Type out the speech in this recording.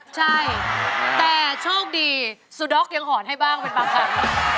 ใช่แต่โชคดีสุด็อกยังหอนให้บ้างเป็นบางครั้ง